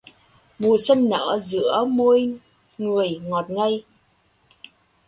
Mùa xuân nở giữa môi người ngọt ngây